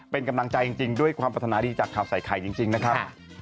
เป็นกำลังใจจริงด้วยความปรัฐนาดีจากข่าวใส่ไข่จริงนะครับ